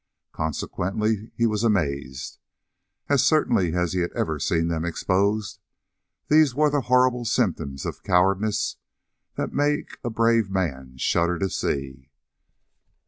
Consequently he was amazed. As certainly as he had ever seen them exposed, these were the horrible symptoms of cowardice that make a brave man shudder to see.